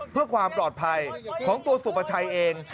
เพื่อความปลอดภัยของตัวสุประชัยเอง